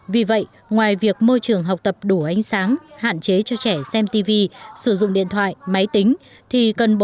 vì vậy ngoài việc môi trường học tập đủ ánh sáng hạn chế cho trẻ xem tv sử dụng điện thoại máy tính